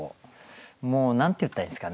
もう何て言ったらいいんですかね